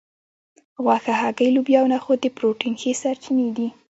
غوښه هګۍ لوبیا او نخود د پروټین ښې سرچینې دي